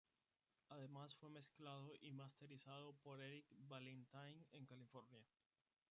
Además, fue mezclado y masterizado por Eric Valentine en California.